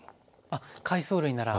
あっ海藻類なら。